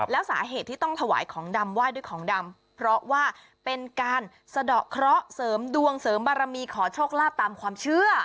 แล้วสาเหตุที่ต้องถวายของดำไหว้ด้วยของดำเพราะว่าเป็นการสะดอกเคราะห์เสริมดวงเสริมบารมีขอโชคลาภตามความเชื่อ